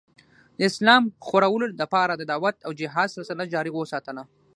د اسلام خورلو دپاره د دعوت او جهاد سلسله جاري اوساتله